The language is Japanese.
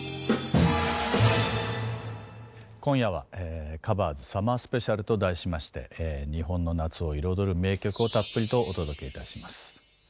今夜は「ｔｈｅＣｏｖｅｒｓサマースペシャル」と題しまして日本の夏を彩る名曲をたっぷりとお届けいたします。